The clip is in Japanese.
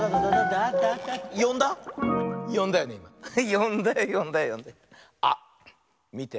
よんだよよんだよよんだよ。あっみて。